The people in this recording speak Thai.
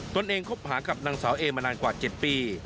ตัวเองคบหากับนางสาวเอมานานกว่า๗ปี